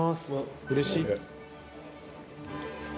うれしい。